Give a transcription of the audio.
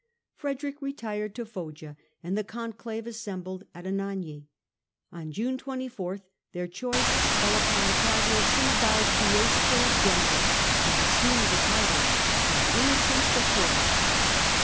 Frederick retired to Foggia and the Conclave assembled at Anagni. On June 24th their choice fell upon the Cardinal Sinibald Fiesco of Genoa, who assumed the title of Innocent the Fourth.